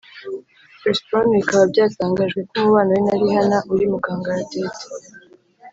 chris brown bikaba byatangajwe ko umubano we na rihana uri mukangaratete